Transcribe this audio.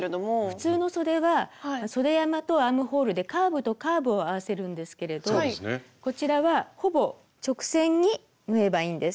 普通のそではそで山とアームホールでカーブとカーブを合わせるんですけれどこちらはほぼ直線に縫えばいいんです。